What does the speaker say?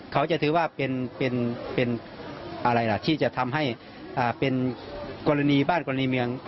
เขาจะถือว่าเป็นอะไรล่ะที่จะทำให้เป็นกรณีบ้านกรณีเมือง